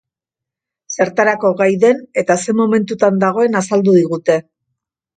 Zertarako gai den eta ze momentutan dagoen azaldu digute.